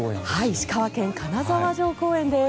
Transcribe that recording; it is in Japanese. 石川県・金沢城公園です。